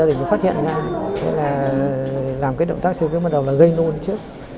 sau khi uống được khoảng mấy phút là gia đình đã phát hiện ra làm cái động tác sơ cứu bắt đầu là gây nôn trước